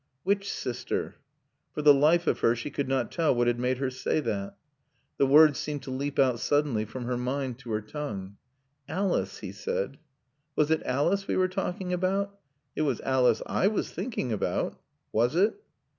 "Which sister?" For the life of her she could not tell what had made her say that. The words seemed to leap out suddenly from her mind to her tongue. "Alice," he said. "Was it Alice we were talking about?" "It was Alice I was thinking about." "Was it?"